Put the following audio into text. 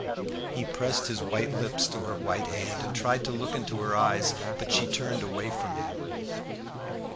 He pressed his white lips to her white hand, and tried to look into her eyes, but she turned away from him.